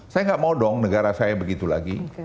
saya nggak mau dong negara saya begitu lagi